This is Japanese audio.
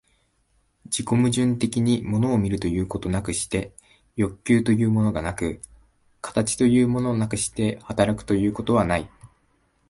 自己矛盾的に物を見るということなくして欲求というものがなく、形というものなくして働くということはない。